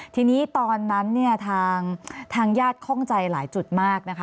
ทีนี้ตอนนั้นเนี่ยทางญาติคล่องใจหลายจุดมากนะคะ